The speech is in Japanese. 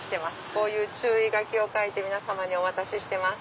こういう注意書きを書いて皆様にお渡ししてます。